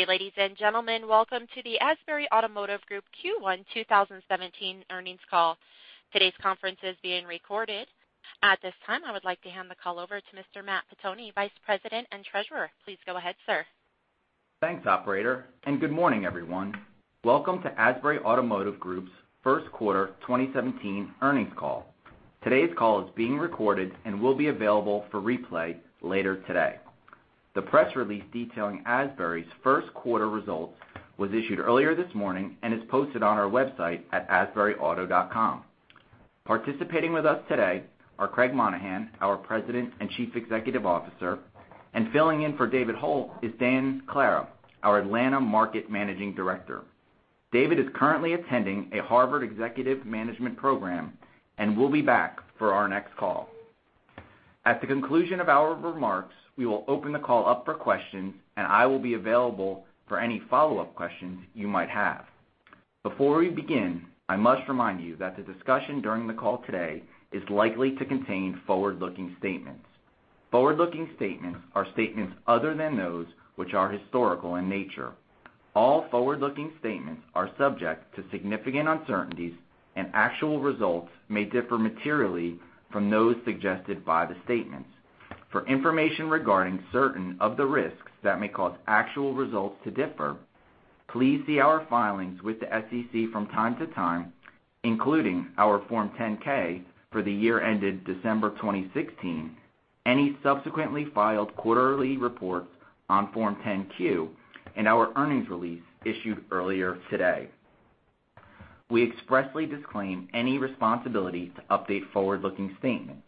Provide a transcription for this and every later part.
Good day, ladies and gentlemen. Welcome to the Asbury Automotive Group Q1 2017 earnings call. Today's conference is being recorded. At this time, I would like to hand the call over to Mr. Matt Pettoni, Vice President and Treasurer. Please go ahead, sir. Thanks, operator. Good morning, everyone. Welcome to Asbury Automotive Group's first quarter 2017 earnings call. Today's call is being recorded and will be available for replay later today. The press release detailing Asbury's first quarter results was issued earlier this morning and is posted on our website at asburyauto.com. Participating with us today are Craig Monaghan, our President and Chief Executive Officer, and filling in for David Hult is Dan Clara, our Atlanta Market Managing Director. David is currently attending a Harvard Executive Management Program and will be back for our next call. At the conclusion of our remarks, we will open the call up for questions. I will be available for any follow-up questions you might have. Before we begin, I must remind you that the discussion during the call today is likely to contain forward-looking statements. Forward-looking statements are statements other than those which are historical in nature. All forward-looking statements are subject to significant uncertainties. Actual results may differ materially from those suggested by the statements. For information regarding certain of the risks that may cause actual results to differ, please see our filings with the SEC from time to time, including our Form 10-K for the year ended December 2016, any subsequently filed quarterly reports on Form 10-Q, and our earnings release issued earlier today. We expressly disclaim any responsibility to update forward-looking statements.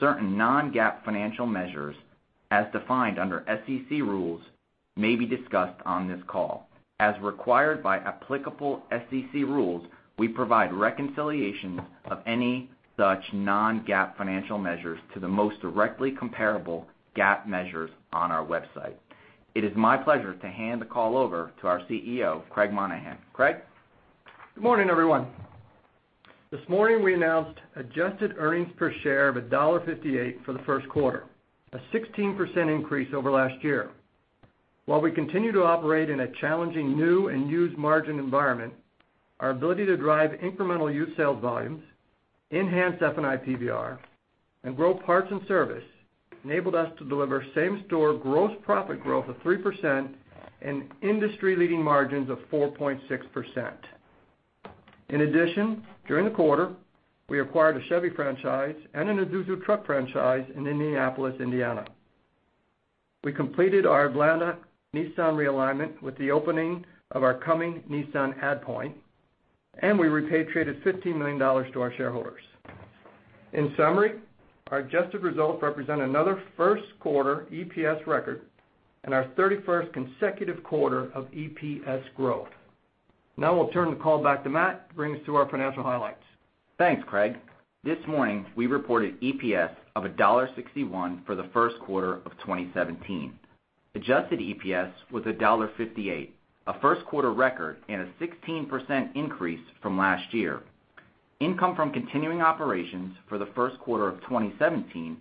Certain non-GAAP financial measures, as defined under SEC rules, may be discussed on this call. As required by applicable SEC rules, we provide reconciliations of any such non-GAAP financial measures to the most directly comparable GAAP measures on our website. It is my pleasure to hand the call over to our CEO, Craig Monaghan. Craig? Good morning, everyone. This morning, we announced adjusted EPS of $1.58 for the first quarter, a 16% increase over last year. While we continue to operate in a challenging new and used margin environment, our ability to drive incremental used sales volumes, enhance F&I PVR, and grow parts and service enabled us to deliver same-store gross profit growth of 3% and industry-leading margins of 4.6%. During the quarter, we acquired a Chevy franchise and an Isuzu truck franchise in Indianapolis, Indiana. We completed our Atlanta Nissan realignment with the opening of our Cumming Nissan add point. We repatriated $15 million to our shareholders. Our adjusted results represent another first-quarter EPS record and our 31st consecutive quarter of EPS growth. I'll turn the call back to Matt to bring us through our financial highlights. Thanks, Craig. This morning, we reported EPS of $1.61 for the first quarter of 2017. Adjusted EPS was $1.58, a first-quarter record and a 16% increase from last year. Income from continuing operations for the first quarter of 2017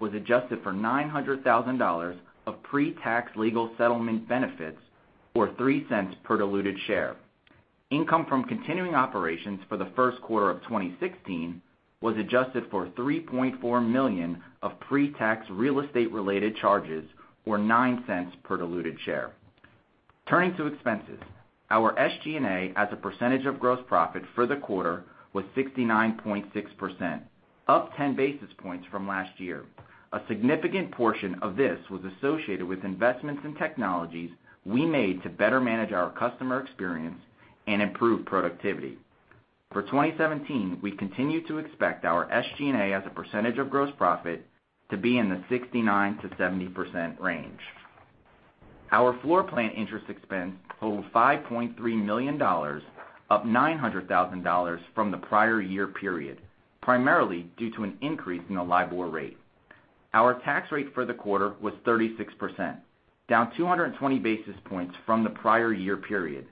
was adjusted for $900,000 of pre-tax legal settlement benefits, or $0.03 per diluted share. Income from continuing operations for the first quarter of 2016 was adjusted for $3.4 million of pre-tax real estate-related charges, or $0.09 per diluted share. Turning to expenses, our SG&A as a % of gross profit for the quarter was 69.6%, up 10 basis points from last year. A significant portion of this was associated with investments in technologies we made to better manage our customer experience and improve productivity. For 2017, we continue to expect our SG&A as a % of gross profit to be in the 69%-70% range. Our floorplan interest expense totaled $5.3 million, up $900,000 from the prior year period, primarily due to an increase in the LIBOR rate. Our tax rate for the quarter was 36%, down 220 basis points from the prior year period.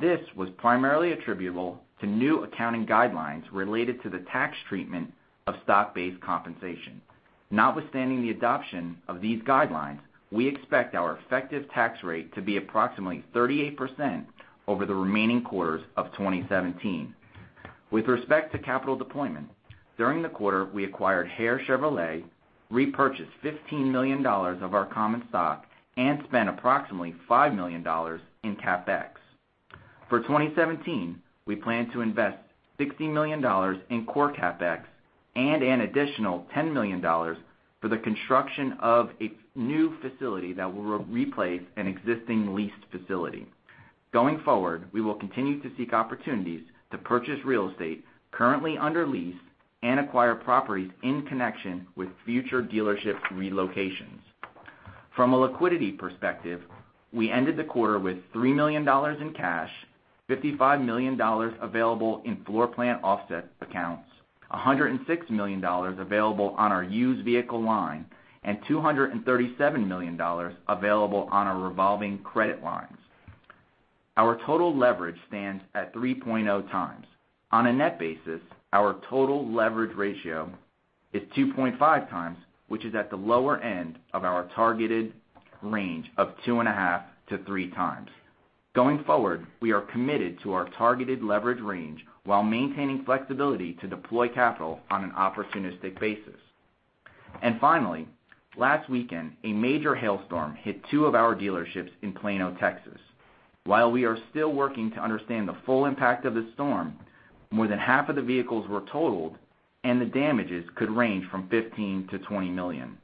This was primarily attributable to new accounting guidelines related to the tax treatment of stock-based compensation. Notwithstanding the adoption of these guidelines, we expect our effective tax rate to be approximately 38% over the remaining quarters of 2017. With respect to capital deployment, during the quarter, we acquired Hare Chevrolet, repurchased $15 million of our common stock, and spent approximately $5 million in CapEx. For 2017, we plan to invest $60 million in core CapEx and an additional $10 million for the construction of a new facility that will replace an existing leased facility. Going forward, we will continue to seek opportunities to purchase real estate currently under lease and acquire properties in connection with future dealership relocations. From a liquidity perspective, we ended the quarter with $3 million in cash, $55 million available in floorplan offset accounts, $106 million available on our used vehicle line, and $237 million available on our revolving credit lines. Our total leverage stands at 3.0 times. On a net basis, our total leverage ratio is 2.5 times, which is at the lower end of our targeted range of 2.5-3 times. Going forward, we are committed to our targeted leverage range while maintaining flexibility to deploy capital on an opportunistic basis. Finally, last weekend, a major hailstorm hit two of our dealerships in Plano, Texas. While we are still working to understand the full impact of the storm, more than half of the vehicles were totaled and the damages could range from $15 million-$20 million.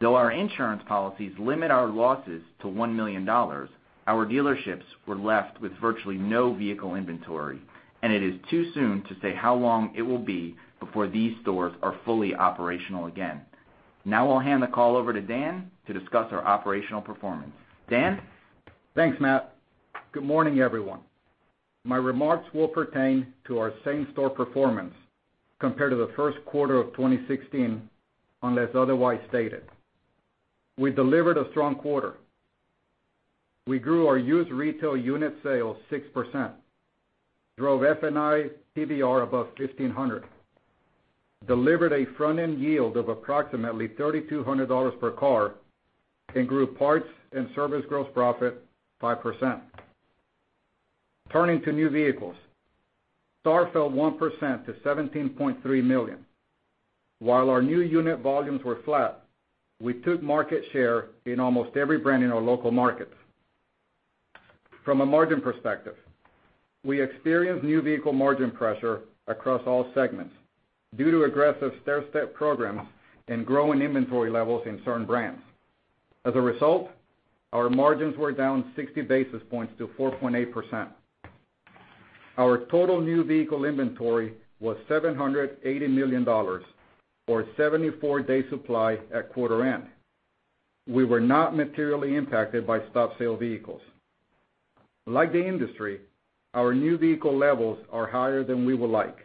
Though our insurance policies limit our losses to $15 million, our dealerships were left with virtually no vehicle inventory, and it is too soon to say how long it will be before these stores are fully operational again. Now I'll hand the call over to Dan to discuss our operational performance. Dan? Thanks, Matt. Good morning, everyone. My remarks will pertain to our same-store performance compared to the first quarter of 2016, unless otherwise stated. We delivered a strong quarter. We grew our used retail unit sales 6%, drove F&I PVR above 1,500, delivered a front-end yield of approximately $3,200 per car, and grew parts and service gross profit 5%. Turning to new vehicles. SAR fell 1% to 17.3 million. While our new unit volumes were flat, we took market share in almost every brand in our local markets. From a margin perspective, we experienced new vehicle margin pressure across all segments due to aggressive stair-step programs and growing inventory levels in certain brands. As a result, our margins were down 60 basis points to 4.8%. Our total new vehicle inventory was $780 million or 74-day supply at quarter end. We were not materially impacted by stop sale vehicles. Like the industry, our new vehicle levels are higher than we would like,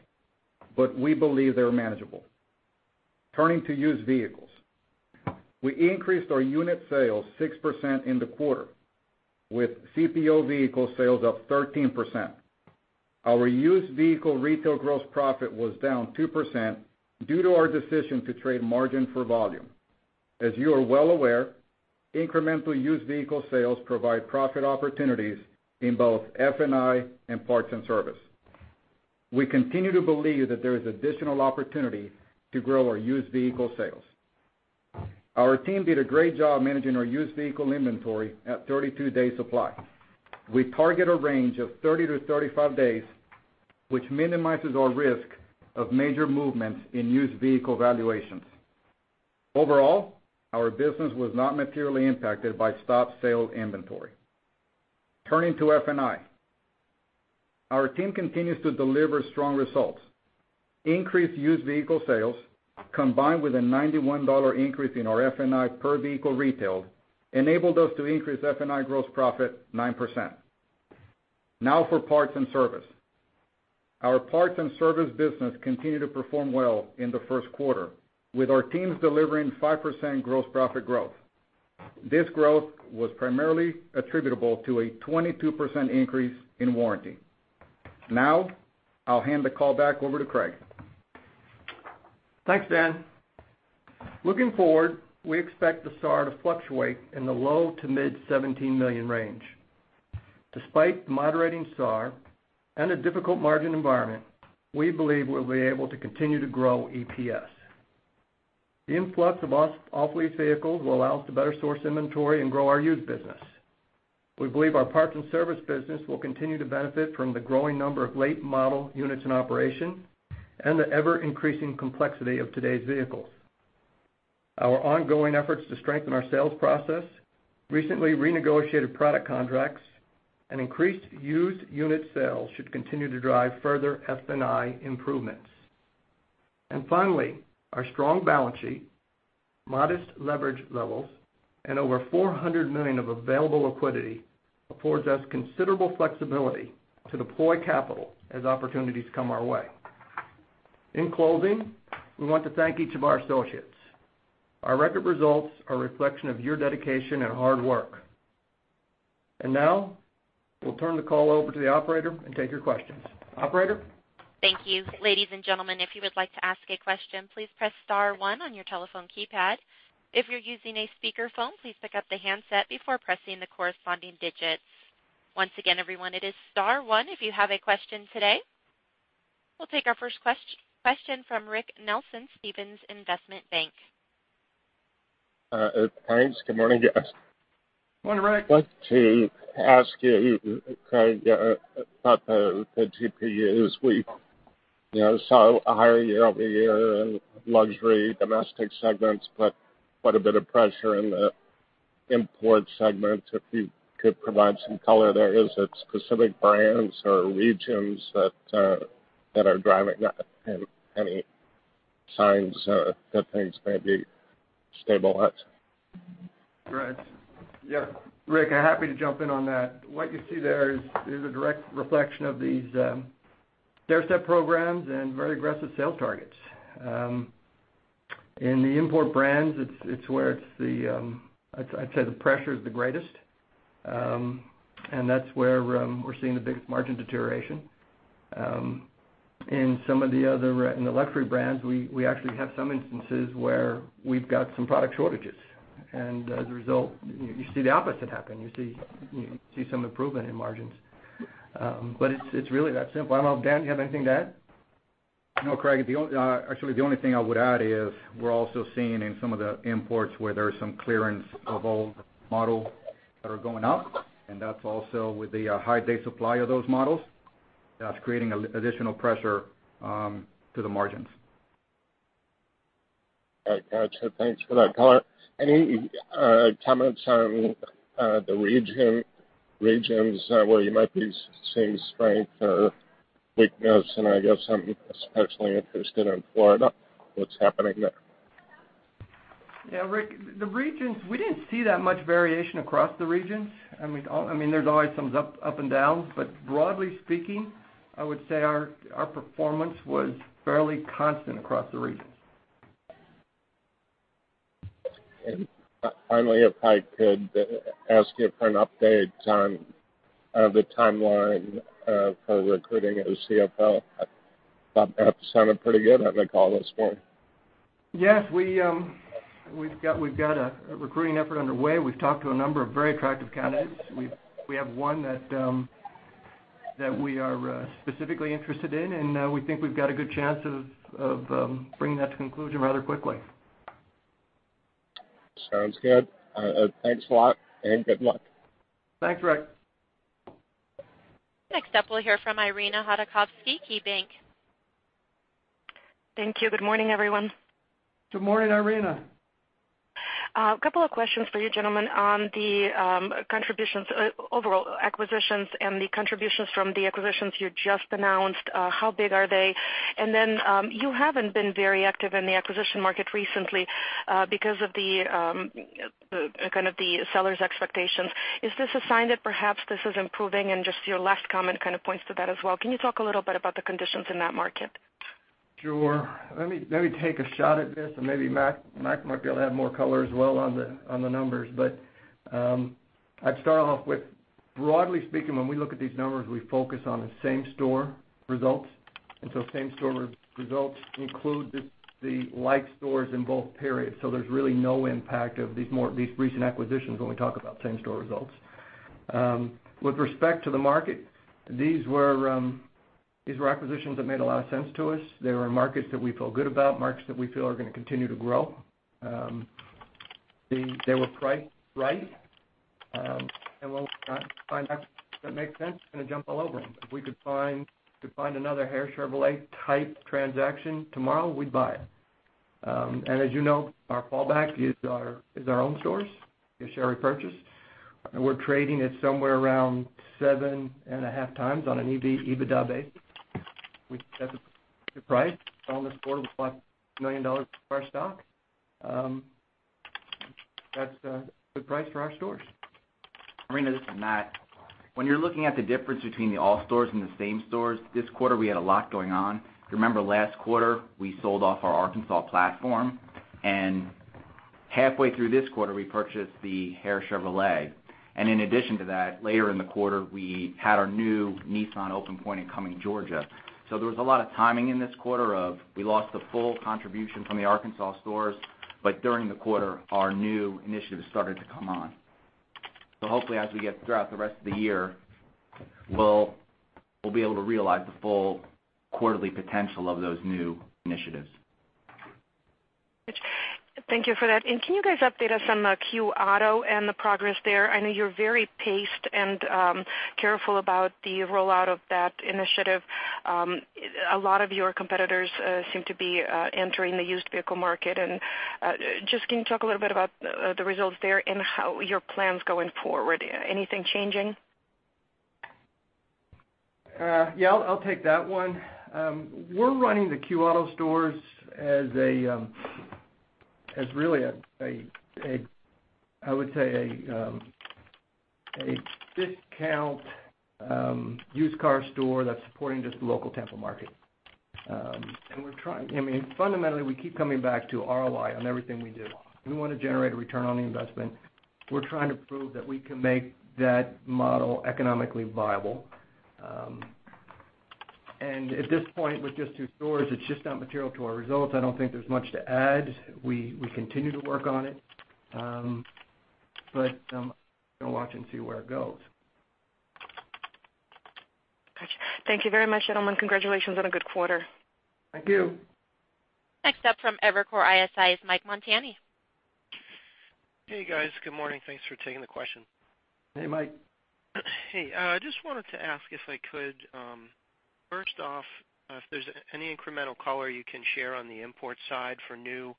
but we believe they're manageable. Turning to used vehicles. We increased our unit sales 6% in the quarter with CPO vehicle sales up 13%. Our used vehicle retail gross profit was down 2% due to our decision to trade margin for volume. As you are well aware, incremental used vehicle sales provide profit opportunities in both F&I and parts and service. We continue to believe that there is additional opportunity to grow our used vehicle sales. Our team did a great job managing our used vehicle inventory at 32-day supply. We target a range of 30 to 35 days, which minimizes our risk of major movements in used vehicle valuations. Overall, our business was not materially impacted by stop sale inventory. Turning to F&I. Our team continues to deliver strong results. Increased used vehicle sales, combined with a $91 increase in our F&I per vehicle retailed, enabled us to increase F&I gross profit 9%. Now for parts and service. Our parts and service business continued to perform well in the first quarter with our teams delivering 5% gross profit growth. This growth was primarily attributable to a 22% increase in warranty. Now, I'll hand the call back over to Craig. Thanks, Dan. Looking forward, we expect the SAR to fluctuate in the low to mid 17 million range. Despite the moderating SAR and a difficult margin environment, we believe we'll be able to continue to grow EPS. The influx of off-lease vehicles will allow us to better source inventory and grow our used business. We believe our parts and service business will continue to benefit from the growing number of late-model units in operation and the ever-increasing complexity of today's vehicles. Our ongoing efforts to strengthen our sales process, recently renegotiated product contracts, and increased used unit sales should continue to drive further F&I improvements. Finally, our strong balance sheet, modest leverage levels, and over $400 million of available liquidity affords us considerable flexibility to deploy capital as opportunities come our way. In closing, we want to thank each of our associates. Our record results are a reflection of your dedication and hard work. Now, we'll turn the call over to the operator and take your questions. Operator? Thank you. Ladies and gentlemen, if you would like to ask a question, please press star one on your telephone keypad. If you're using a speakerphone, please pick up the handset before pressing the corresponding digits. Once again, everyone, it is star one if you have a question today. We'll take our first question from Rick Nelson, Stephens Investment Bank. Thanks. Good morning. Morning, Rick. I'd like to ask you, Craig Monaghan, about the GPUs. We saw a higher year-over-year in luxury domestic segments, but quite a bit of pressure in the import segment. If you could provide some color there. Is it specific brands or regions that are driving that? Any signs that things may be stabilizing? Right. Yeah. Rick Nelson, I'm happy to jump in on that. What you see there is a direct reflection of these stair-step programs and very aggressive sales targets. In the import brands, it's where I'd say the pressure is the greatest. That's where we're seeing the biggest margin deterioration. In the luxury brands, we actually have some instances where we've got some product shortages. As a result, you see the opposite happen. You see some improvement in margins. It's really that simple. I don't know, Dan Clara, do you have anything to add? No, Craig Monaghan. Actually, the only thing I would add is we're also seeing in some of the imports where there's some clearance of old models that are going up, and that's also with the high day supply of those models. That's creating additional pressure to the margins. Got you. Thanks for that color. Any comments on the regions where you might be seeing strength or weakness? I guess I'm especially interested in Florida, what's happening there. Yeah, Rick, the regions, we didn't see that much variation across the regions. There's always some up and downs, broadly speaking, I would say our performance was fairly constant across the regions. Finally, if I could ask you for an update on the timeline for recruiting a CFO. I thought that sounded pretty good on the call this morning. Yes, we've got a recruiting effort underway. We've talked to a number of very attractive candidates. We have one that we are specifically interested in, we think we've got a good chance of bringing that to conclusion rather quickly. Sounds good. Thanks a lot and good luck. Thanks, Rick. Next up, we'll hear from Irina Hudakovsky, KeyBank. Thank you. Good morning, everyone. Good morning, Irina. A couple of questions for you gentlemen on the overall acquisitions and the contributions from the acquisitions you just announced. How big are they? You haven't been very active in the acquisition market recently because of the seller's expectations. Is this a sign that perhaps this is improving and just your last comment kind of points to that as well. Can you talk a little bit about the conditions in that market? Sure. Let me take a shot at this and maybe Matt might be able to add more color as well on the numbers. I'd start off with, broadly speaking, when we look at these numbers, we focus on the same-store results. Same-store results include the like stores in both periods. There's really no impact of these recent acquisitions when we talk about same-store results. With respect to the market, these were acquisitions that made a lot of sense to us. They were markets that we feel good about, markets that we feel are going to continue to grow. They were priced right. When we find acquisitions that make sense, we're going to jump all over them. If we could find another Hare Chevrolet type transaction tomorrow, we'd buy it. As you know, our fallback is our own stores, is share repurchase. We're trading at somewhere around seven and a half times on an EBITDA basis, which that's a good price. On this quarter, we bought $1 million of our stock. That's a good price for our stores. Irina, this is Matt. When you're looking at the difference between the all stores and the same stores, this quarter, we had a lot going on. If you remember last quarter, we sold off our Arkansas platform, halfway through this quarter, we purchased the Hare Chevrolet. In addition to that, later in the quarter, we had our new Nissan open point in Cumming, Georgia. There was a lot of timing in this quarter. We lost the full contribution from the Arkansas stores, but during the quarter, our new initiatives started to come on. Hopefully as we get throughout the rest of the year, we'll be able to realize the full quarterly potential of those new initiatives. Thank you for that. Can you guys update us on Q Auto and the progress there? I know you're very paced and careful about the rollout of that initiative. A lot of your competitors seem to be entering the used vehicle market. Just can you talk a little bit about the results there and how your plans going forward? Anything changing? Yeah, I'll take that one. We're running the Q Auto stores as really, I would say, a discount used car store that's supporting just the local Tampa market. Fundamentally, we keep coming back to ROI on everything we do. We want to generate a return on the investment. We're trying to prove that we can make that model economically viable. At this point, with just two stores, it's just not material to our results. I don't think there's much to add. We continue to work on it. We're going to watch and see where it goes. Got you. Thank you very much, gentlemen. Congratulations on a good quarter. Thank you. Next up from Evercore ISI is Michael Montani. Hey, guys. Good morning. Thanks for taking the question. Hey, Mike. Hey, I just wanted to ask if I could, first off, if there's any incremental color you can share on the import side for new.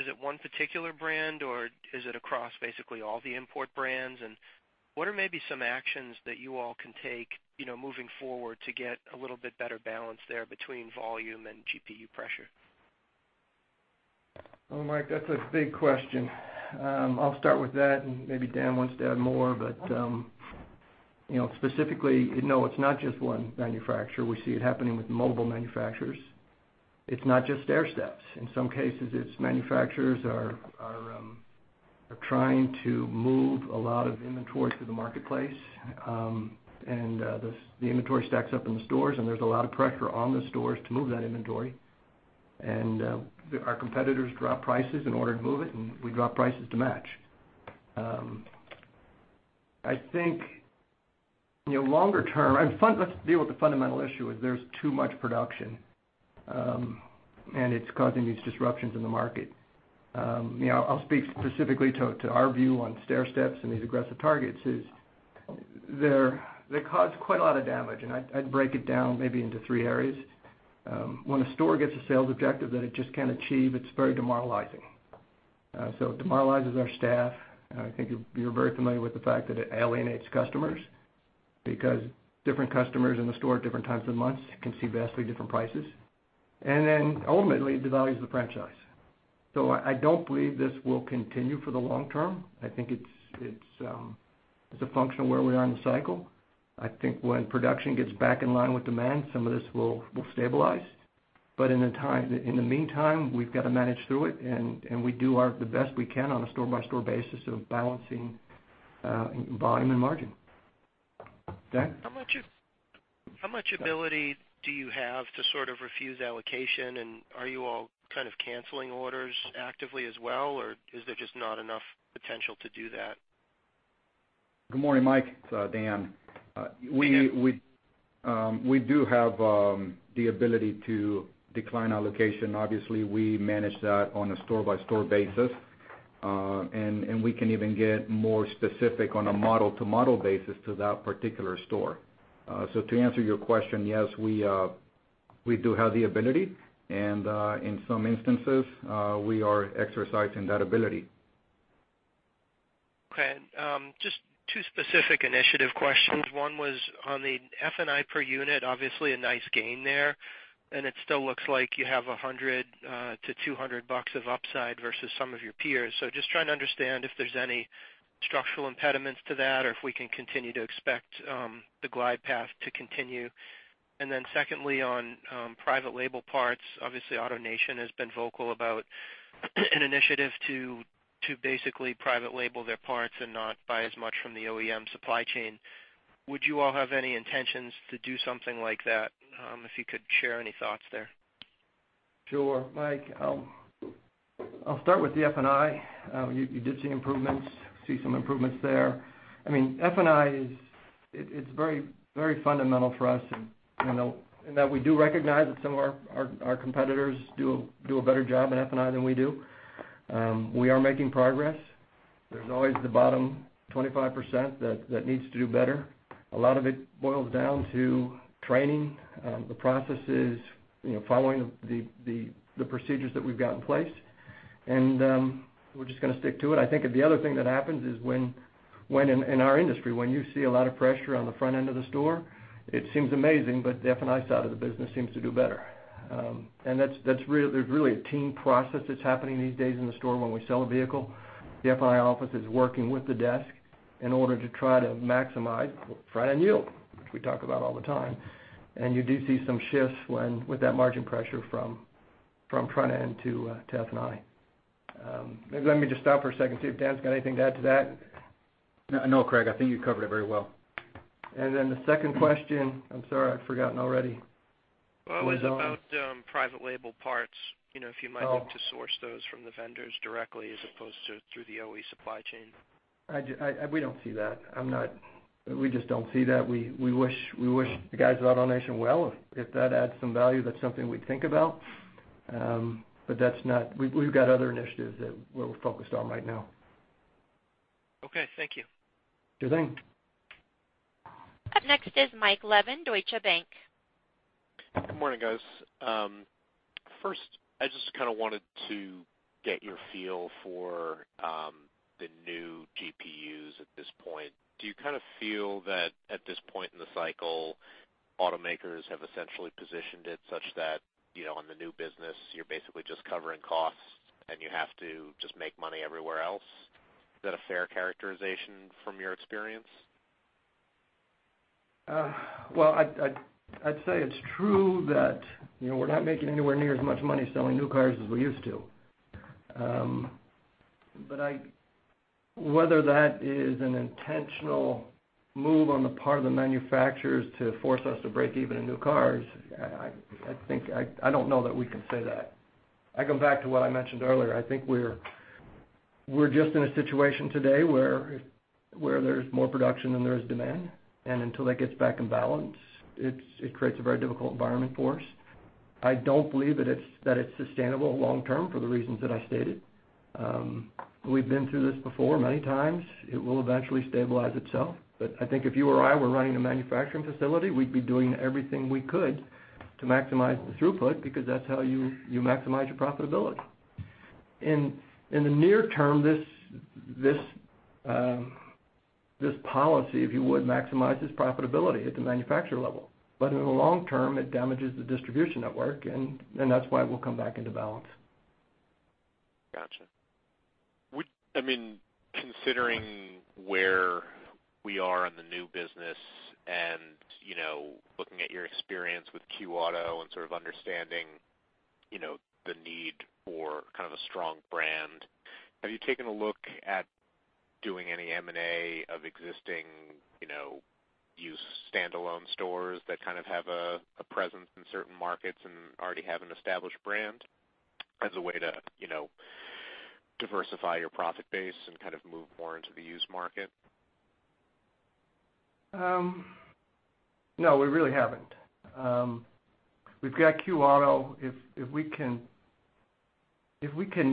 Is it one particular brand, or is it across basically all the import brands? What are maybe some actions that you all can take moving forward to get a little bit better balance there between volume and GPU pressure? Well, Mike, that's a big question. I'll start with that and maybe Dan wants to add more. Specifically, no, it's not just one manufacturer. We see it happening with multiple manufacturers. It's not just stairsteps. In some cases, it's manufacturers are trying to move a lot of inventory through the marketplace, and the inventory stacks up in the stores, and there's a lot of pressure on the stores to move that inventory. Our competitors drop prices in order to move it, and we drop prices to match. I think, longer term, let's deal with the fundamental issue is there's too much production, and it's causing these disruptions in the market. I'll speak specifically to our view on stairsteps and these aggressive targets is, they cause quite a lot of damage, and I'd break it down maybe into three areas. When a store gets a sales objective that it just can't achieve, it's very demoralizing. It demoralizes our staff. I think you're very familiar with the fact that it alienates customers, because different customers in the store at different times of the month can see vastly different prices. Ultimately, it devalues the franchise. I don't believe this will continue for the long term. I think it's a function of where we are in the cycle. I think when production gets back in line with demand, some of this will stabilize. In the meantime, we've got to manage through it, and we do the best we can on a store-by-store basis of balancing volume and margin. Dan? How much ability do you have to sort of refuse allocation, and are you all kind of canceling orders actively as well, or is there just not enough potential to do that? Good morning, Mike. It's Dan. Dan. We do have the ability to decline allocation. Obviously, we manage that on a store-by-store basis. We can even get more specific on a model-to-model basis to that particular store. To answer your question, yes, we do have the ability, and in some instances, we are exercising that ability. Okay. Just two specific initiative questions. One was on the F&I per unit, obviously a nice gain there, and it still looks like you have $100-$200 of upside versus some of your peers. Just trying to understand if there's any structural impediments to that, or if we can continue to expect the glide path to continue. Secondly, on private label parts, obviously AutoNation has been vocal about an initiative to basically private label their parts and not buy as much from the OEM supply chain. Would you all have any intentions to do something like that? If you could share any thoughts there. Sure. Mike, I'll start with the F&I. You did see improvements, see some improvements there. F&I is very fundamental for us in that we do recognize that some of our competitors do a better job at F&I than we do. We are making progress. There's always the bottom 25% that needs to do better. A lot of it boils down to training, the processes, following the procedures that we've got in place, and we're just going to stick to it. I think the other thing that happens is when in our industry, when you see a lot of pressure on the front end of the store, it seems amazing, but the F&I side of the business seems to do better. There's really a team process that's happening these days in the store when we sell a vehicle. The F&I office is working with the desk in order to try to maximize front-end yield, which we talk about all the time. You do see some shifts with that margin pressure from front end to F&I. Maybe let me just stop for a second, see if Dan's got anything to add to that. No, Craig, I think you covered it very well. The second question, I'm sorry, I've forgotten already. Well, it was about private label parts, if you might look to source those from the vendors directly as opposed to through the OE supply chain. We don't see that. We just don't see that. We wish the guys at AutoNation well. If that adds some value, that's something we'd think about. We've got other initiatives that we're focused on right now. Okay. Thank you. Sure thing. Up next is Michael Levin, Deutsche Bank. Good morning, guys. First, I just kind of wanted to get your feel for the new GPUs at this point. Do you kind of feel that at this point in the cycle, automakers have essentially positioned it such that on the new business, you're basically just covering costs and you have to just make money everywhere else? Is that a fair characterization from your experience? Well, I'd say it's true that we're not making anywhere near as much money selling new cars as we used to. Whether that is an intentional move on the part of the manufacturers to force us to break even in new cars, I don't know that we can say that. I come back to what I mentioned earlier. I think we're just in a situation today where there's more production than there is demand. Until that gets back in balance, it creates a very difficult environment for us. I don't believe that it's sustainable long term for the reasons that I stated. We've been through this before many times. It will eventually stabilize itself. I think if you or I were running a manufacturing facility, we'd be doing everything we could to maximize the throughput because that's how you maximize your profitability. In the near term, this policy, if you would, maximizes profitability at the manufacturer level. In the long term, it damages the distribution network, and that's why we'll come back into balance. Got you. Considering where we are in the new business and looking at your experience with Q Auto and understanding the need for a strong brand, have you taken a look at doing any M&A of existing used standalone stores that have a presence in certain markets and already have an established brand as a way to diversify your profit base and move more into the used market? No, we really haven't. We've got Q Auto. If we can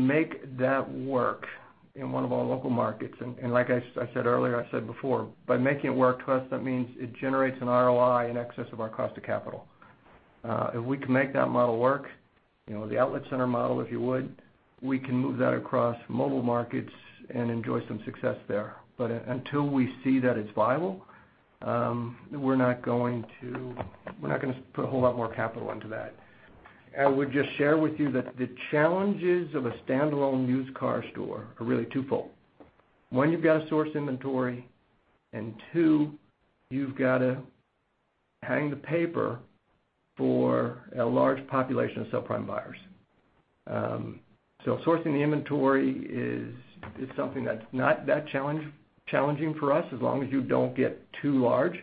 make that work in one of our local markets, like I said earlier, I said before, by making it work, to us, that means it generates an ROI in excess of our cost of capital. If we can make that model work, the outlet center model, if you would, we can move that across mobile markets and enjoy some success there. Until we see that it's viable, we're not going to put a whole lot more capital into that. I would just share with you that the challenges of a standalone used car store are really twofold. One, you've got to source inventory, two, you've got to hang the paper for a large population of subprime buyers. Sourcing the inventory is something that's not that challenging for us as long as you don't get too large,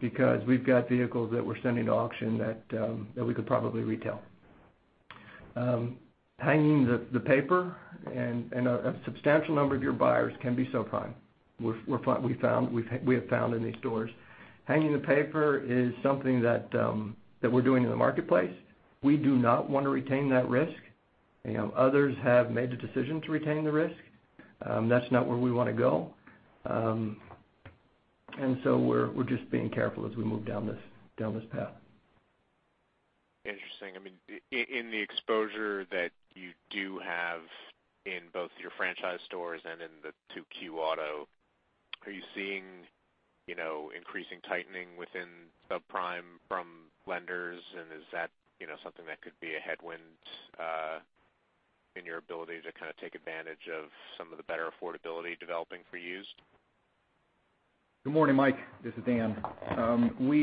because we've got vehicles that we're sending to auction that we could probably retail. Hanging the paper a substantial number of your buyers can be subprime, we have found in these stores. Hanging the paper is something that we're doing in the marketplace. We do not want to retain that risk. Others have made the decision to retain the risk. That's not where we want to go. We're just being careful as we move down this path. Interesting. In the exposure that you do have in both your franchise stores and in the two Q Auto, are you seeing increasing tightening within subprime from lenders? Is that something that could be a headwind in your ability to take advantage of some of the better affordability developing for used? Good morning, Mike. This is Dan. We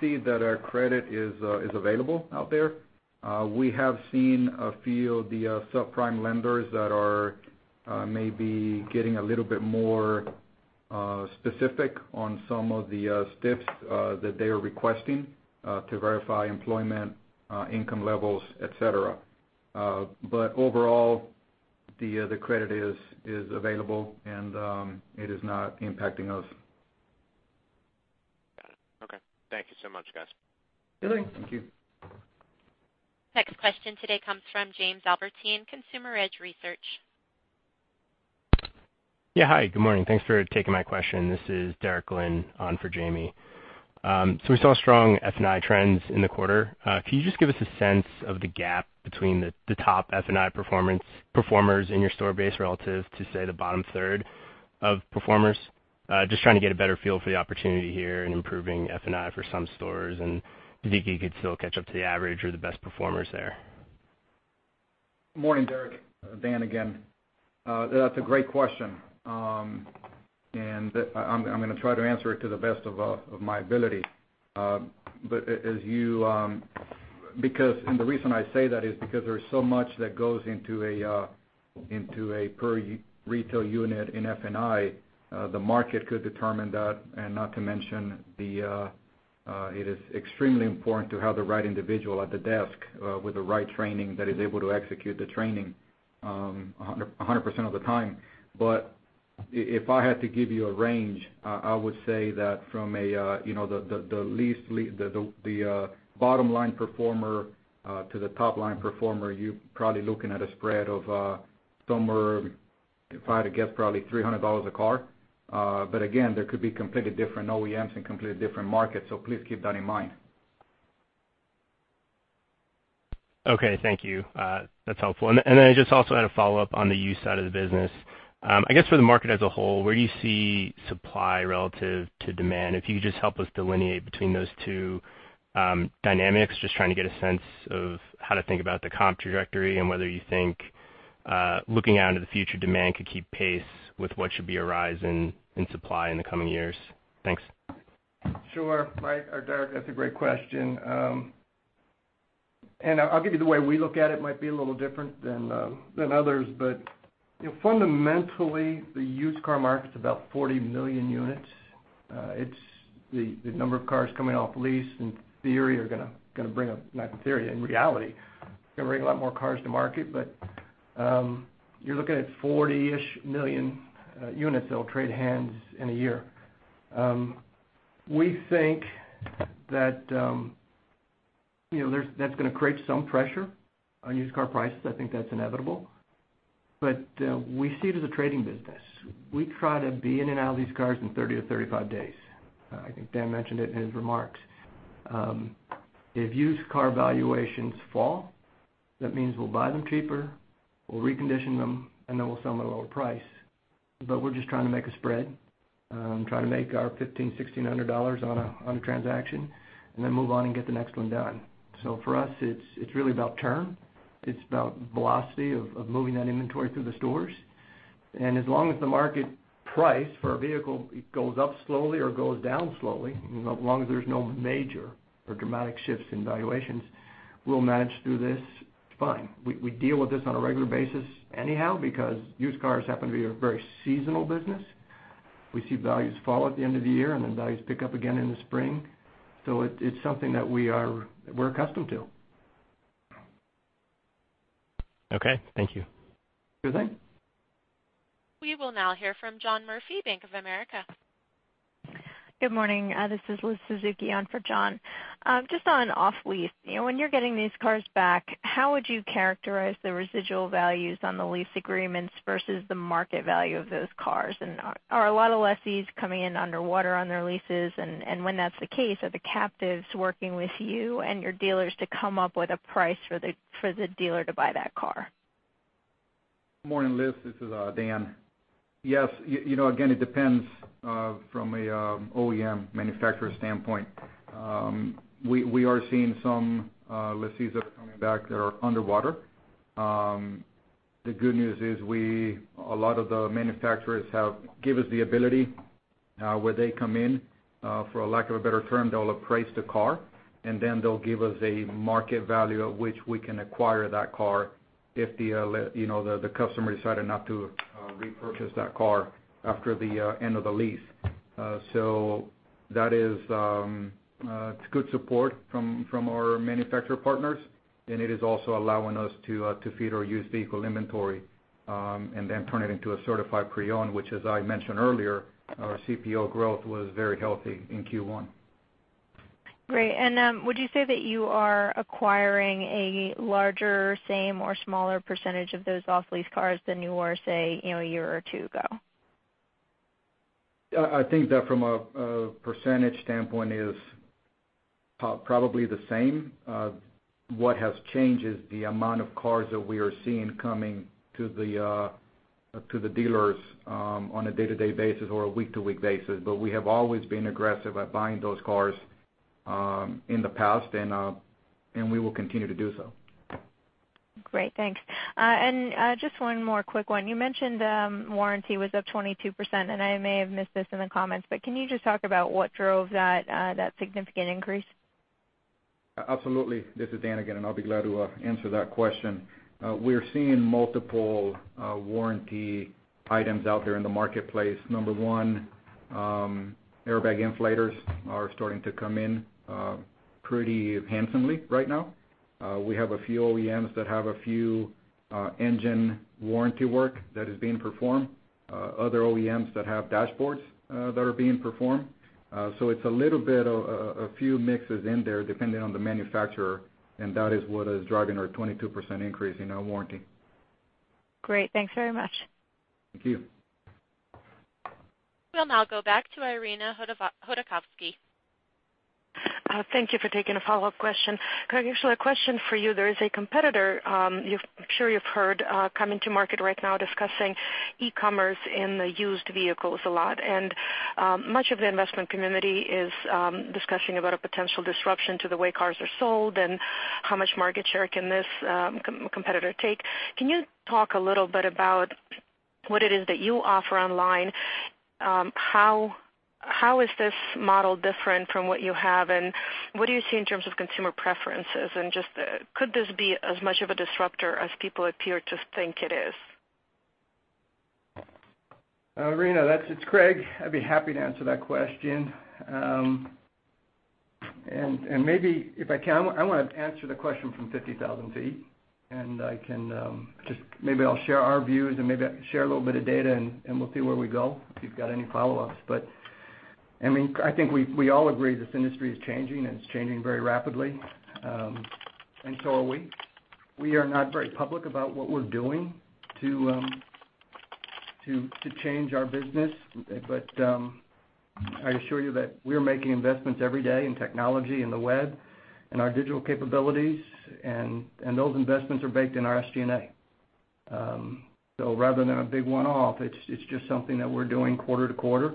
see that our credit is available out there. We have seen a few of the subprime lenders that are maybe getting a little more specific on some of the steps that they are requesting to verify employment, income levels, et cetera. Overall, the credit is available, it is not impacting us. Got it. Okay. Thank you so much, guys. Sure thing. Thank you. Next question today comes from Jamie Albertine, Consumer Edge Research. Hi, good morning. Thanks for taking my question. This is Derek Glynn on for Jamie. We saw strong F&I trends in the quarter. Can you just give us a sense of the gap between the top F&I performers in your store base relative to, say, the bottom third of performers? Just trying to get a better feel for the opportunity here in improving F&I for some stores, and do you think you could still catch up to the average or the best performers there? Morning, Derek. Dan again. That's a great question. I'm going to try to answer it to the best of my ability. The reason I say that is because there's so much that goes into a per retail unit in F&I. The market could determine that, and not to mention, it is extremely important to have the right individual at the desk with the right training that is able to execute the training 100% of the time. If I had to give you a range, I would say that from the bottom line performer to the top line performer, you're probably looking at a spread of somewhere, if I had to guess, probably $300 a car. Again, there could be completely different OEMs and completely different markets, so please keep that in mind. Okay. Thank you. That's helpful. I just also had a follow-up on the used side of the business. I guess for the market as a whole, where do you see supply relative to demand? If you could just help us delineate between those two dynamics. Just trying to get a sense of how to think about the comp trajectory and whether you think looking out into the future, demand could keep pace with what should be a rise in supply in the coming years. Thanks. Sure. Derek, that's a great question. I'll give you the way we look at it, might be a little different than others, but fundamentally, the used car market's about 40 million units. The number of cars coming off lease, not in theory, in reality, going to bring a lot more cars to market, but you're looking at 40-ish million units that will trade hands in a year. We think that's going to create some pressure on used car prices. I think that's inevitable. We see it as a trading business. We try to be in and out of these cars in 30 to 35 days. I think Dan mentioned it in his remarks. If used car valuations fall, that means we'll buy them cheaper, we'll recondition them, and then we'll sell them at a lower price. We're just trying to make a spread, trying to make our $1,500, $1,600 on a transaction, move on and get the next one done. For us, it's really about turn. It's about velocity of moving that inventory through the stores. As long as the market price for a vehicle goes up slowly or goes down slowly, as long as there's no major or dramatic shifts in valuations, we'll manage through this fine. We deal with this on a regular basis anyhow, because used cars happen to be a very seasonal business. We see values fall at the end of the year, values pick up again in the spring. It's something that we're accustomed to. Okay, thank you. Sure thing. We will now hear from John Murphy, Bank of America. Good morning. This is Elizabeth Suzuki on for John Murphy. On off-lease, when you're getting these cars back, how would you characterize the residual values on the lease agreements versus the market value of those cars? Are a lot of lessees coming in underwater on their leases? When that's the case, are the captives working with you and your dealers to come up with a price for the dealer to buy that car? Morning, Liz. This is Dan Clara. Yes. It depends from an OEM manufacturer standpoint. We are seeing some lessees that are coming back that are underwater. The good news is a lot of the manufacturers have given us the ability where they come in, for a lack of a better term, they'll appraise the car, and then they'll give us a market value at which we can acquire that car if the customer decided not to repurchase that car after the end of the lease. That is good support from our manufacturer partners, and it is also allowing us to feed our used vehicle inventory, and then turn it into a certified pre-owned, which, as I mentioned earlier, our CPO growth was very healthy in Q1. Great. Would you say that you are acquiring a larger, same, or smaller percentage of those off-lease cars than you were, say, a year or two ago? I think that from a percentage standpoint is probably the same. What has changed is the amount of cars that we are seeing coming to the dealers on a day-to-day basis or a week-to-week basis. We have always been aggressive at buying those cars in the past, and we will continue to do so. Great, thanks. Just one more quick one. You mentioned warranty was up 22%, and I may have missed this in the comments, but can you just talk about what drove that significant increase? Absolutely. This is Dan again, and I'll be glad to answer that question. We're seeing multiple warranty items out there in the marketplace. Number one, airbag inflators are starting to come in pretty handsomely right now. We have a few OEMs that have a few engine warranty work that is being performed, other OEMs that have dashboards that are being performed. It's a little bit of a few mixes in there depending on the manufacturer, and that is what is driving our 22% increase in our warranty. Great. Thanks very much. Thank you. We'll now go back to Irina Hudakovsky. Thank you for taking a follow-up question. Craig, actually a question for you. There is a competitor I'm sure you've heard coming to market right now discussing e-commerce in the used vehicles a lot, and much of the investment community is discussing about a potential disruption to the way cars are sold and how much market share can this competitor take. Can you talk a little bit about what it is that you offer online? How is this model different from what you have, and what do you see in terms of consumer preferences, and could this be as much of a disruptor as people appear to think it is? Irina, it's Craig. I'd be happy to answer that question. Maybe if I can, I want to answer the question from 50,000 feet. I can just maybe I'll share our views and maybe share a little bit of data. We'll see where we go, if you've got any follow-ups. I think we all agree this industry is changing, and it's changing very rapidly. So are we. We are not very public about what we're doing to change our business. I assure you that we're making investments every day in technology and the web and our digital capabilities, and those investments are baked in our SG&A. Rather than a big one-off, it's just something that we're doing quarter to quarter.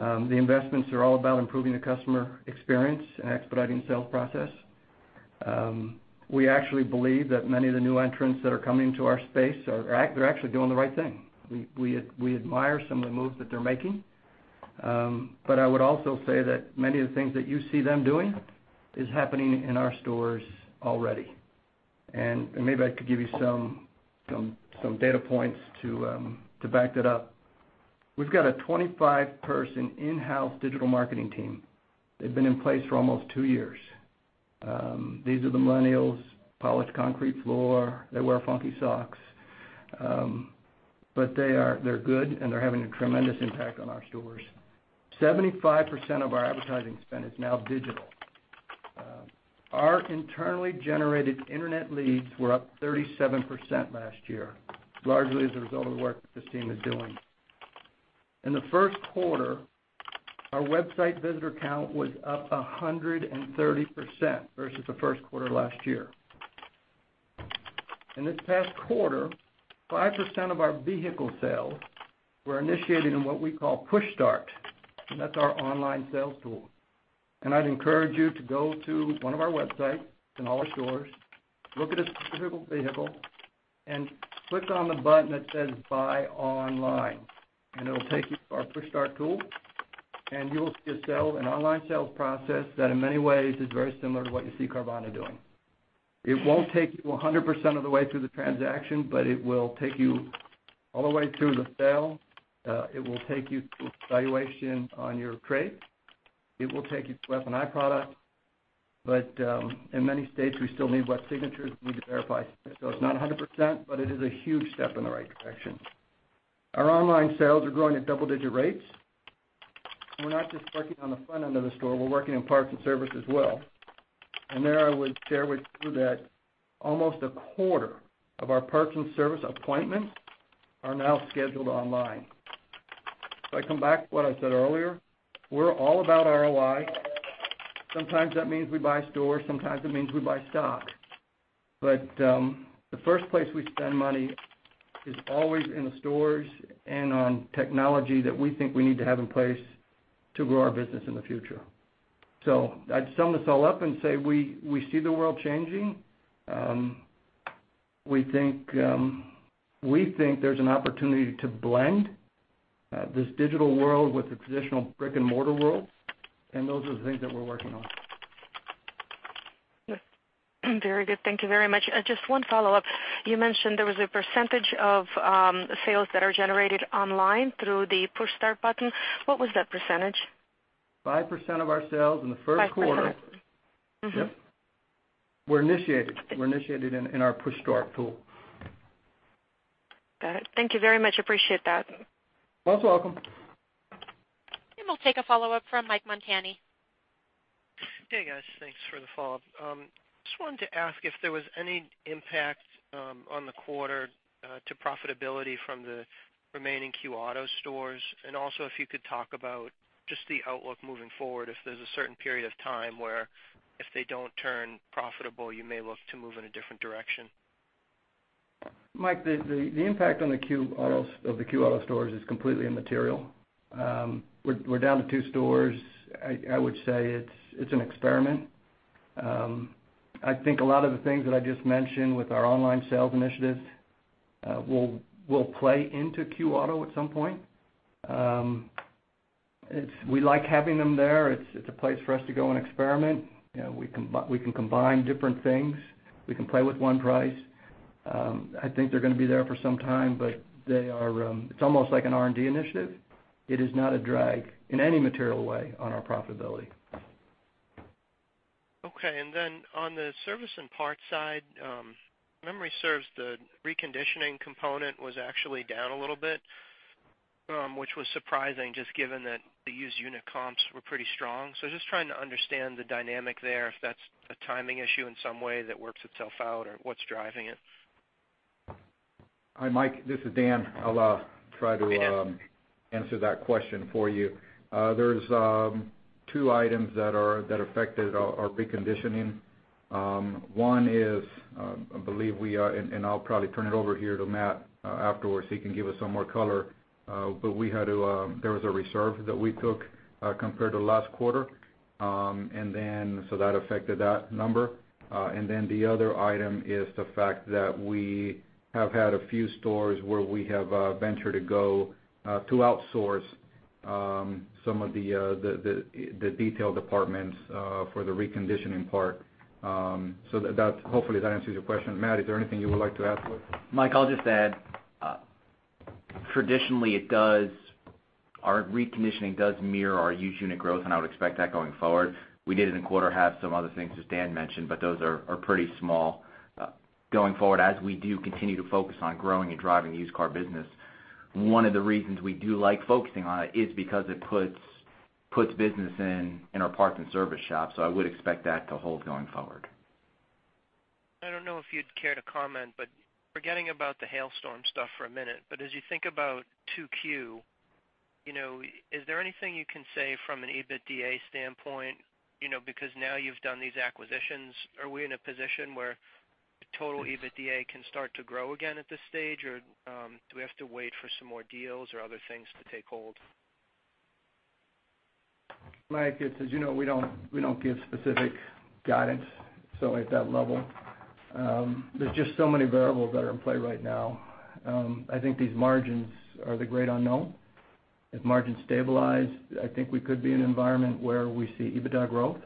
The investments are all about improving the customer experience and expediting the sales process. We actually believe that many of the new entrants that are coming into our space are actually doing the right thing. We admire some of the moves that they're making. I would also say that many of the things that you see them doing is happening in our stores already. Maybe I could give you some data points to back that up. We've got a 25-person in-house digital marketing team. They've been in place for almost two years. These are the millennials, polished concrete floor. They wear funky socks. They're good, and they're having a tremendous impact on our stores. 75% of our advertising spend is now digital. Our internally generated internet leads were up 37% last year, largely as a result of the work that this team is doing. In the first quarter, our website visitor count was up 130% versus the first quarter last year. In this past quarter, 5% of our vehicle sales were initiated in what we call Push Start, and that's our online sales tool. I'd encourage you to go to one of our websites, in all the stores, look at a specific vehicle and click on the button that says Buy Online. It'll take you to our Push Start tool, and you will see a sale, an online sales process that in many ways is very similar to what you see Carvana doing. It won't take you 100% of the way through the transaction, but it will take you all the way through the sale. It will take you through valuation on your trade. It will take you to F&I products. In many states, we still need wet signatures. We need to verify. It's not 100%, but it is a huge step in the right direction. Our online sales are growing at double-digit rates. We're not just working on the front end of the store, we're working in parts and service as well. There I would share with you that almost a quarter of our parts and service appointments are now scheduled online. I come back to what I said earlier, we're all about ROI. Sometimes that means we buy stores, sometimes it means we buy stock. The first place we spend money is always in the stores and on technology that we think we need to have in place to grow our business in the future. I'd sum this all up and say, we see the world changing. We think there's an opportunity to blend this digital world with the traditional brick and mortar world, and those are the things that we're working on. Very good. Thank you very much. Just one follow-up. You mentioned there was a percentage of sales that are generated online through the Push Start button. What was that percentage? 5% of our sales in the first quarter. 5%. Yep. Were initiated in our Push Start tool. Got it. Thank you very much. Appreciate that. Most welcome. We'll take a follow-up from Michael Montani. Hey, guys. Thanks for the follow-up. Just wanted to ask if there was any impact on the quarter to profitability from the remaining Q Auto stores. Also, if you could talk about just the outlook moving forward, if there's a certain period of time where if they don't turn profitable, you may look to move in a different direction. Mike, the impact of the Q Auto stores is completely immaterial. We're down to two stores. I would say it's an experiment. I think a lot of the things that I just mentioned with our online sales initiatives will play into Q Auto at some point. We like having them there. It's a place for us to go and experiment. We can combine different things. We can play with one price. I think they're going to be there for some time, but it's almost like an R&D initiative. It is not a drag in any material way on our profitability. Okay. On the service and parts side, if memory serves, the reconditioning component was actually down a little bit, which was surprising just given that the used unit comps were pretty strong. Just trying to understand the dynamic there, if that's a timing issue in some way that works itself out or what's driving it? Hi, Mike, this is Dan. I'll try to answer that question for you. There's two items that affected our reconditioning. One is, I believe we are, and I'll probably turn it over here to Matt afterwards so he can give us some more color, but there was a reserve that we took compared to last quarter. That affected that number. The other item is the fact that we have had a few stores where we have ventured to go to outsource some of the detail departments for the reconditioning part. Hopefully that answers your question. Matt, is there anything you would like to add to it? Mike, I'll just add, traditionally, our reconditioning does mirror our used unit growth, and I would expect that going forward. We did in the quarter have some other things, as Dan mentioned, but those are pretty small. Going forward, as we do continue to focus on growing and driving the used car business, one of the reasons we do like focusing on it is because it puts business in our parts and service shop. I would expect that to hold going forward. I don't know if you'd care to comment, but forgetting about the hailstorm stuff for a minute, but as you think about 2Q, is there anything you can say from an EBITDA standpoint? Now you've done these acquisitions, are we in a position where total EBITDA can start to grow again at this stage or do we have to wait for some more deals or other things to take hold? Mike, as you know, we don't give specific guidance at that level. There's just so many variables that are in play right now. I think these margins are the great unknown. If margins stabilize, I think we could be in an environment where we see EBITDA growth.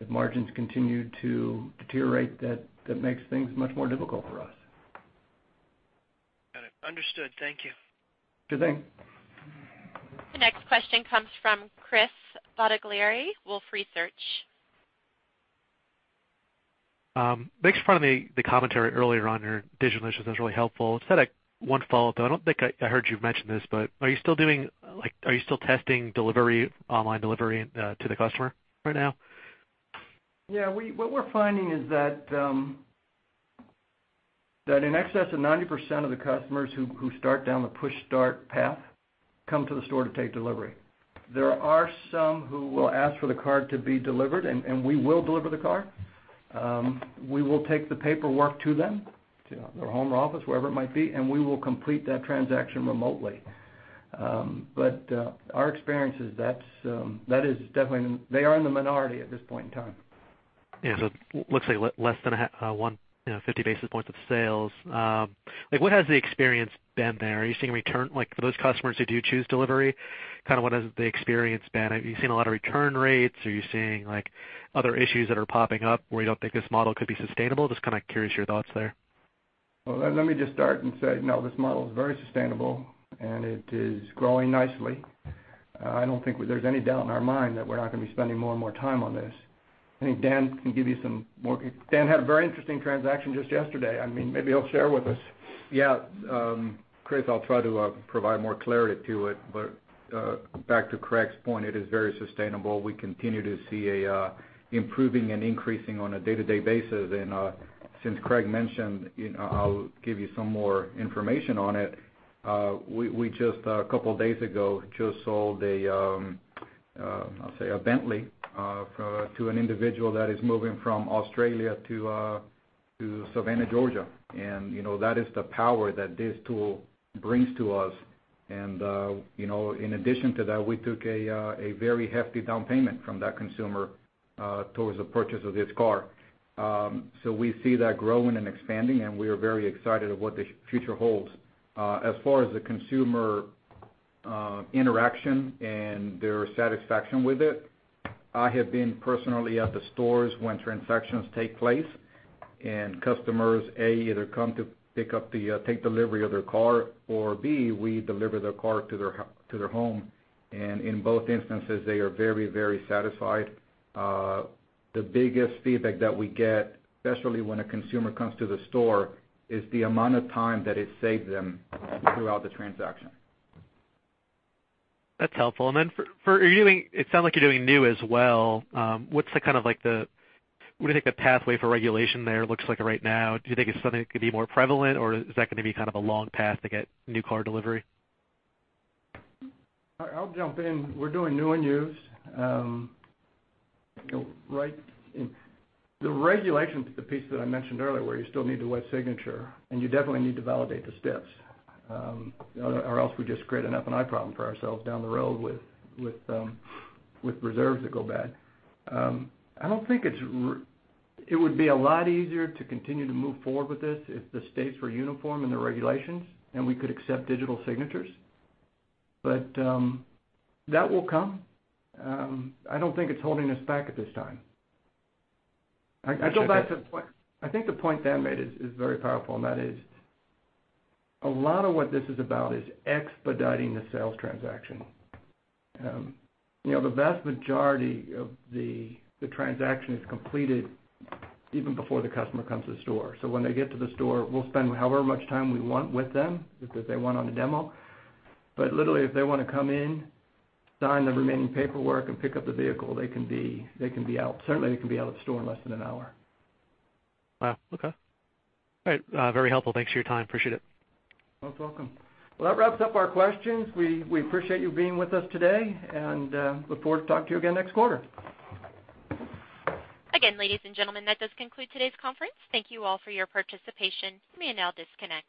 If margins continue to deteriorate, that makes things much more difficult for us. Got it. Understood. Thank you. Good thing. The next question comes from Chris Bottiglieri, Wolfe Research. Thanks for the commentary earlier on your digital initiatives. That's really helpful. Just had one follow-up, though. I don't think I heard you mention this, but are you still testing online delivery to the customer right now? Yeah. What we're finding is that in excess of 90% of the customers who start down the Push Start path come to the store to take delivery. There are some who will ask for the car to be delivered, and we will deliver the car. We will take the paperwork to them, to their home or office, wherever it might be, and we will complete that transaction remotely. Our experience is they are in the minority at this point in time. Yeah. Looks like less than 150 basis points of sales. What has the experience been there? Are you seeing return like for those customers who do choose delivery, what has the experience been? Are you seeing a lot of return rates? Are you seeing other issues that are popping up where you don't think this model could be sustainable? Just curious your thoughts there. Well, let me just start and say, no, this model is very sustainable, it is growing nicely. I don't think there's any doubt in our mind that we're not going to be spending more and more time on this. I think Dan can give you more. Dan had a very interesting transaction just yesterday. Maybe he'll share with us. Yeah. Chris, I'll try to provide more clarity to it, back to Craig's point, it is very sustainable. We continue to see improving and increasing on a day-to-day basis. Since Craig mentioned, I'll give you more information on it. We just, a couple of days ago, just sold a Bentley to an individual that is moving from Australia to Savannah, Georgia. That is the power that this tool brings to us. In addition to that, we took a very hefty down payment from that consumer towards the purchase of this car. We see that growing and expanding, we are very excited at what the future holds. As far as the consumer interaction and their satisfaction with it, I have been personally at the stores when transactions take place and customers, A, either come to take delivery of their car, or B, we deliver their car to their home. In both instances, they are very, very satisfied. The biggest feedback that we get, especially when a consumer comes to the store, is the amount of time that it saved them throughout the transaction. That's helpful. Then it sounds like you're doing new as well. What do you think the pathway for regulation there looks like right now? Do you think it's something that could be more prevalent, or is that going to be a long path to get new car delivery? I'll jump in. We're doing new and used. The regulations is the piece that I mentioned earlier, where you still need the wet signature, and you definitely need to validate the steps. Else we just create an F&I problem for ourselves down the road with reserves that go bad. It would be a lot easier to continue to move forward with this if the states were uniform in the regulations and we could accept digital signatures. That will come. I don't think it's holding us back at this time. I think the point Dan made is very powerful, that is a lot of what this is about is expediting the sales transaction. The vast majority of the transaction is completed even before the customer comes to the store. When they get to the store, we'll spend however much time we want with them, if they want on a demo. Literally, if they want to come in, sign the remaining paperwork, and pick up the vehicle, certainly they can be out of the store in less than an hour. Wow, okay. All right. Very helpful. Thanks for your time. Appreciate it. Most welcome. Well, that wraps up our questions. We appreciate you being with us today, and look forward to talking to you again next quarter. Again, ladies and gentlemen, that does conclude today's conference. Thank you all for your participation. You may now disconnect.